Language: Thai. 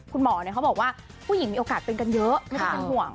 คุณหมอเขาบอกว่าผู้หญิงมีโอกาสเป็นกันเยอะไม่ต้องเป็นห่วง